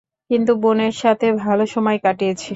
কিন্তু বোনের সাথে ভালো সময় কাটিয়েছি।